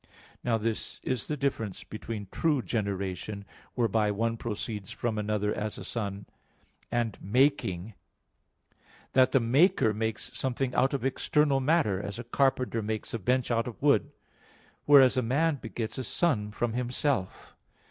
Now, this is the difference between true "generation," whereby one proceeds from another as a son, and "making," that the maker makes something out of external matter, as a carpenter makes a bench out of wood, whereas a man begets a son from himself.